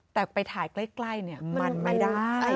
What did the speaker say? แต่ไปถ่ายใกล้มันไม่ได้